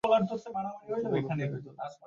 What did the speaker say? ও তো মনে হয় না এখানে আছে।